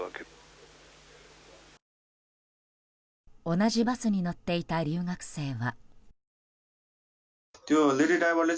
同じバスに乗っていた留学生は。